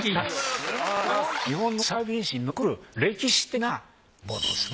日本のサーフィン史に残る歴史的なボードですね。